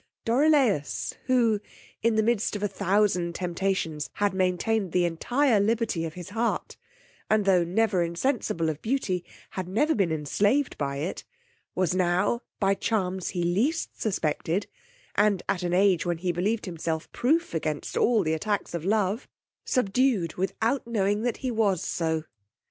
Dorilaus, who, in the midst of a thousand temptations, had maintained the entire liberty of his heart, and tho' never insensible of beauty, had never been enslaved by it, was now by charms he least suspected, and at an age when he believed himself proof against all the attacks of love, subdued without knowing that he was so.